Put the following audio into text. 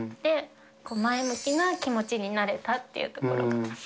前向きな気持ちになれたっていうところが。